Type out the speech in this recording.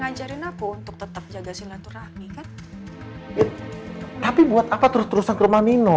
ngajarin aku untuk tetap jaga silaturahmi kan tapi buat apa terus terusan rumah nino